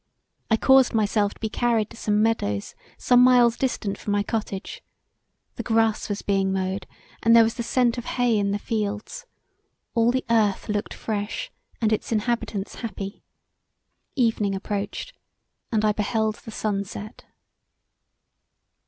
I caused myself to be carried to some meadows some miles distant from my cottage; the grass was being mowed, and there was the scent of hay in the fields; all the earth look[ed] fresh and its inhabitants happy. Evening approached and I beheld the sun set.